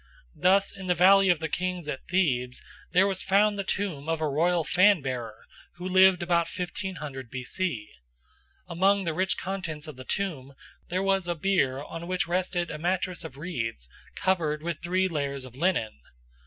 Thus in the Valley of the Kings at Thebes there was found the tomb of a royal fan bearer who lived about 1500 B.C. Among the rich contents of the tomb there was a bier on which rested a mattress of reeds covered with three layers of linen.